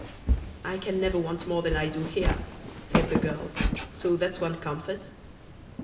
"I can never want more than I do here," said the girl, "so that's one comfort."